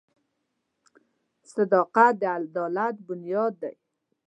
• صداقت د عدالت بنیاد دی.